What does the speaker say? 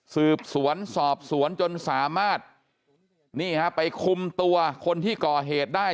สืบสวนสอบสวนจนสามารถนี่ฮะไปคุมตัวคนที่ก่อเหตุได้